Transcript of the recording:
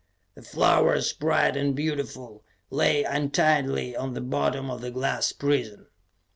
The flowers, bright and beautiful, lay untidily on the bottom of the glass prison.